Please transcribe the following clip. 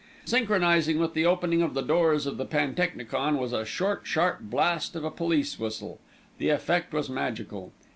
Synchronising with the opening of the doors of the pantechnicon was a short, sharp blast of a police whistle. The effect was magical.